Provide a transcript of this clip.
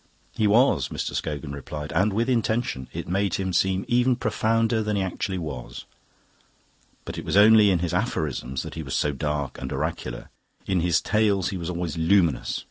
"He was," Mr. Scogan replied, "and with intention. It made him seem even profounder than he actually was. But it was only in his aphorisms that he was so dark and oracular. In his Tales he was always luminous.